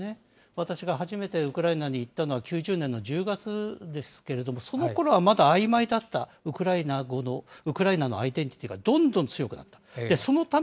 私が初めてウクライナに行ったのは９０年の１０月ですけれども、その頃はまだあいまいだったウクライナ語の、ウクライナのアイデンティティがどんどん強くなっていった。